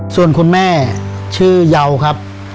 ส่วนคุณแม่ชื่อเยาครับ